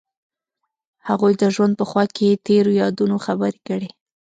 هغوی د ژوند په خوا کې تیرو یادونو خبرې کړې.